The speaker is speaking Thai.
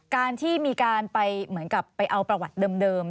การที่มีการไปเหมือนกับไปเอาประวัติเดิม